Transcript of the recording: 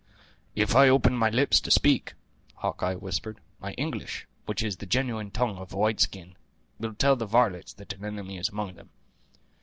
"If I open my lips to speak," Hawkeye whispered, "my English, which is the genuine tongue of a white skin, will tell the varlets that an enemy is among them.